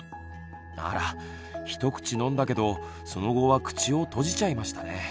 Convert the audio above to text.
あら一口飲んだけどその後は口を閉じちゃいましたね。